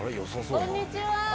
こんにちは。